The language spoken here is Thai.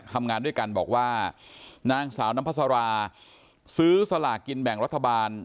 ทำงานด้วยกันบอกว่านางสาวน้ำพัสราซื้อสลากินแบ่งรัฐบาล